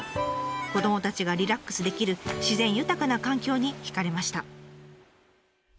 子どもたちがリラックスできる自然豊かな環境に惹かれました。